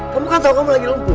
kamu kan tahu kamu lagi lumpuh